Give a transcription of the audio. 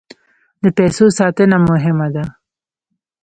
د پیسو ساتنه مهمه ده.